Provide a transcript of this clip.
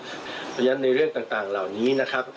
เพราะฉะนั้นในเรื่องต่างเหล่านี้นะครับ